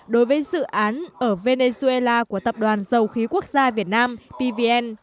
đối với dự án ở venezuela của tập đoàn dầu khí quốc gia việt nam pvn